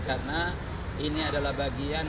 karena ini adalah bagian